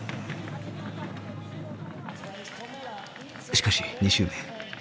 しかし２周目。